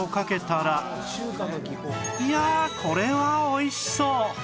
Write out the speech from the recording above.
いやあこれは美味しそう！